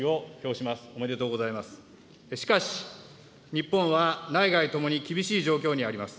しかし、日本は内外ともに厳しい状況にあります。